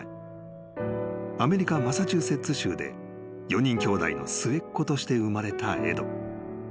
［アメリカマサチューセッツ州で４人きょうだいの末っ子として生まれたエド］